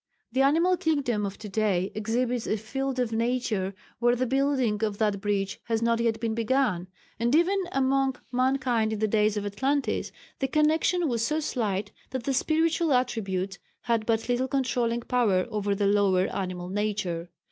The animal kingdom of to day exhibits a field of nature where the building of that bridge has not yet been begun, and even among mankind in the days of Atlantis the connection was so slight that the spiritual attributes had but little controlling power over the lower animal nature.